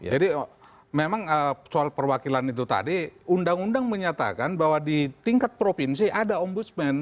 jadi memang soal perwakilan itu tadi undang undang menyatakan bahwa di tingkat provinsi ada ombudsman